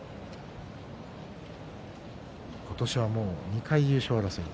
今年は、もう２回優勝争い。